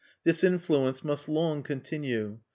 This influence must long continue.